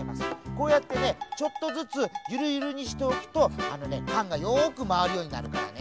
こうやってねちょっとずつゆるゆるにしておくとあのねかんがよくまわるようになるからね。